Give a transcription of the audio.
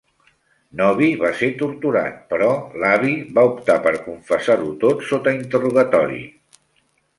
Nobby va ser torturat, però l'avi va optar per confessar-ho tot sota interrogatori.